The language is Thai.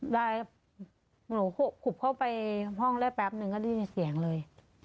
ได้หนูขุบเข้าไปห้องได้แป๊บนึงก็ได้ยินเสียงเลย